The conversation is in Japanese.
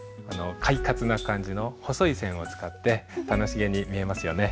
快活な感じの細い線を使って楽しげに見えますよね。